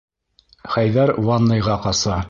Хәйҙәр ванныйға ҡаса.